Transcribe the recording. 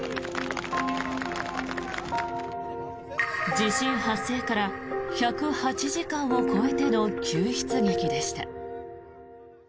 地震発生から１０８時間を超えての救出劇でした。